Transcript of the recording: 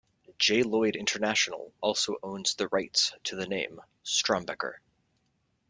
J. Lloyd International also owns the rights to the name StromBecKer.